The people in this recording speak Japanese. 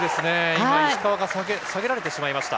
今の石川が下げられてしまいまし